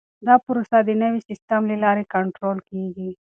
دا پروسه د نوي سیسټم له لارې کنټرول کیږي.